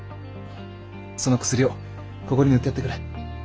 その薬をここに塗ってやってくれ。